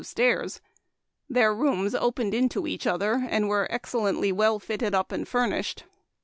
of stairs. Their rooms opened into each other, and were excellently well fitted up and fur nished.